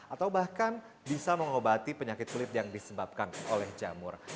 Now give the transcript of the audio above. atau bahkan bisa mengobati penyakit kulit yang disebabkan oleh jamur